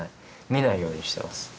見ないようにしてます。